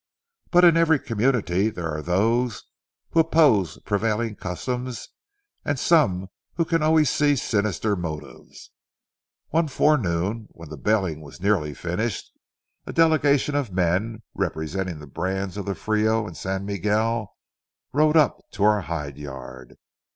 But in every community there are those who oppose prevailing customs, and some who can always see sinister motives. One forenoon, when the baling was nearly finished, a delegation of men, representing brands of the Frio and San Miguel, rode up to our hide yard.